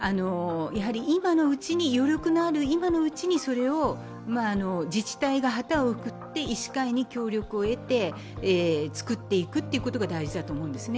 余力のある今のうちにそれを自治体が旗を振って医師会の協力を得て作っていくということが大事だと思うんですね。